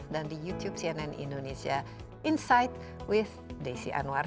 dan di youtube cnn indonesia insight with desi anwar